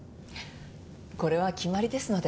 これは決まりですので。